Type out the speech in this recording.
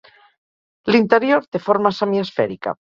L'interior té forma semiesfèrica.